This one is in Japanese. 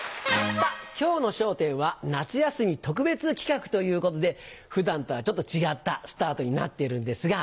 さぁ今日の『笑点』は夏休み特別企画ということで普段とはちょっと違ったスタートになっているんですが。